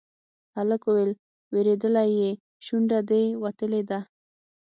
هلک وويل: وېرېدلی يې، شونډه دې وتلې ده.